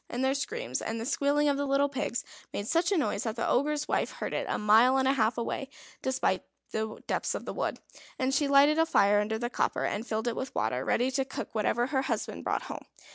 And their screams, and the squealing of the little pigs made such a noise that the Ogre's wife heard it a mile and a half away in the depths of the wood; and she lighted a fire under the copper, and filled it with water, ready to cook whatever her husband brought home.